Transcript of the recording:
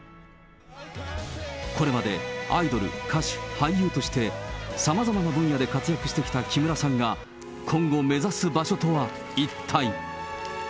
これまでアイドル、歌手、俳優として、さまざまな分野で活躍してきた木村さんが、今後、目指す場所とは一体。